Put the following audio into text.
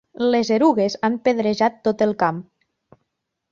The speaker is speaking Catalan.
Les erugues han pedrejat tot el camp.